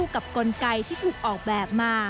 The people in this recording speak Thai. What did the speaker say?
กับกลไกที่ถูกออกแบบมา